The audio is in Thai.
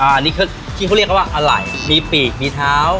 อันนี้คือที่เขาเรียกว่าอะไหล่มีปีกมีเท้า